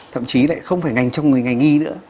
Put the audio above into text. thậm chí lại không phải ngành trong ngành y nữa